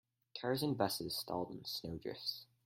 Cars and busses stalled in snow drifts.